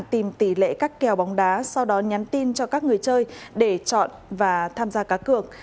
tìm tỷ lệ các kèo bóng đá sau đó nhắn tin cho các người chơi để chọn và tham gia cá cược